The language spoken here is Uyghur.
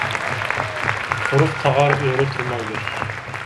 قۇرۇق تاغار ئۆرە تۇرمايدۇ.